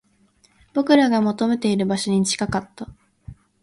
僕らが求めている場所に近かった